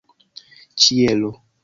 ĉielo